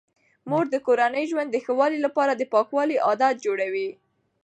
مور د کورني ژوند د ښه والي لپاره د پاکوالي عادات جوړوي.